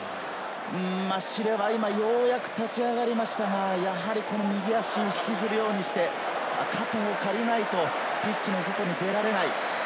マシレワ、ようやく立ち上がりましたが、やはり右足を引きずるようにして、肩を借りないとピッチの外に出られない。